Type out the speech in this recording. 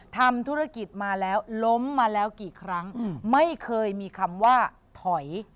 ทำธุรกิจมาแล้วล้มมาแล้วกี่ครั้งไม่เคยมีคำว่าถอย